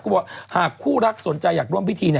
ก็บอกหากคู่รักสนใจอยากร่วมพิธี